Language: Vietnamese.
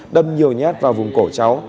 đâm nhiều nhát vào vùng cổ cháu